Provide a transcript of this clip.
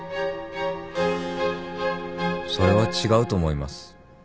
それは違うと思います。